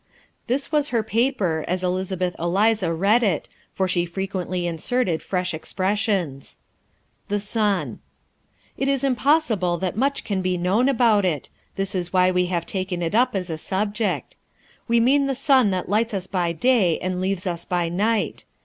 This was her paper, as Elizabeth Eliza read it, for she frequently inserted fresh expressions: THE SUN It is impossible that much can be known about it. This is why we have taken it up as a subject. We mean the sun that lights us by day and leaves us by night.